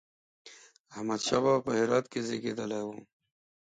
احمد شاه بابا په هرات کې زېږېدلی و